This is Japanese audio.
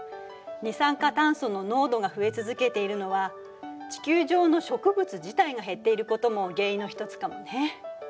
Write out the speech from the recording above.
二酸化炭素の濃度が増え続けているのは地球上の植物自体が減っていることも原因の一つかもね。